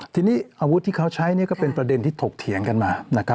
ทีนี้อาวุธที่เขาใช้ก็เป็นประเด็นที่ถกเถียงกันมา